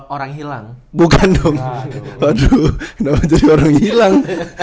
orang hilang bukan dong aduh jadi orang hilang